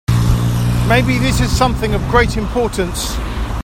Maybe this is something of great importance.